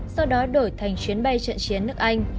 sau đó đổi thành chuyến bay trận chiến nước anh